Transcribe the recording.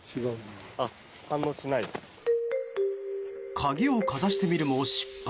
鍵をかざしてみるも失敗。